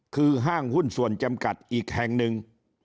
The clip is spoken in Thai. คือห้างหุ้นส่วนจำกัดอีกแห่งหนึ่ง